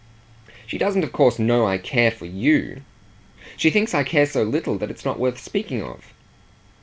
"She doesn't of course know I care for YOU. She thinks I care so little that it's not worth speaking of."